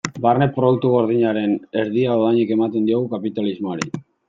Barne Produktu Gordinaren erdia dohainik ematen diogu kapitalismoari.